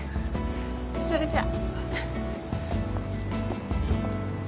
それじゃ。